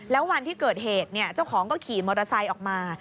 แล้ววันที่เกิดเหตุเจ้าของก็ขี่มอเตอร์ไซค์ออกมา